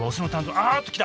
あっと来た！